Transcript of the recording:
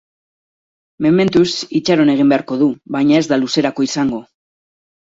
Mementoz itxaron egin beharko du, baina ez da luzerako izango.